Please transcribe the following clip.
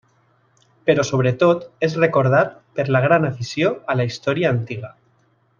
Però sobretot és recordat per la gran afició a la història antiga.